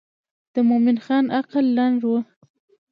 د مومن خان عقل لنډ و.